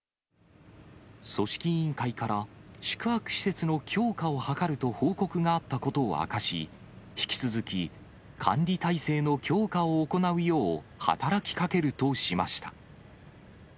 組織委員会から、宿泊施設の強化を図ると報告があったことを明かし、引き続き管理体制の強化を行うよう、働きかけるとしました。